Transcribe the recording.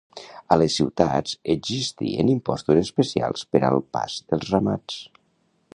A les ciutats existien impostos especials per al pas dels ramats.